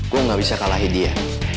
gua gak bisa kalahi dia